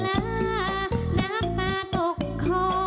น้ำตาตกโคให้มีโชคเมียรสิเราเคยคบกันเหอะน้ำตาตกโคให้มีโชค